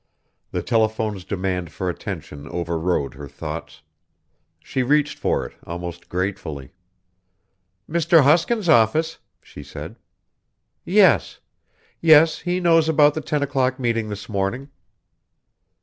The telephone's demand for attention overrode her thoughts. She reached for it almost gratefully. "Mr. Hoskins' office," she said. "Yes. Yes, he knows about the ten o'clock meeting this morning.